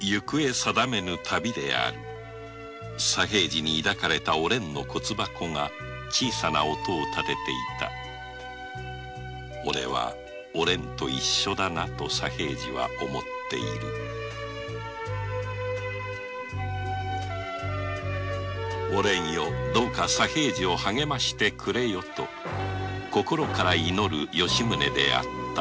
佐平次に抱かれたおれんの骨箱が小さな音を立てていた「オレはおれんと一緒だな」と佐平次は思っている「おれんよどうか佐平次を励ましてくれ」と心から祈る吉宗であった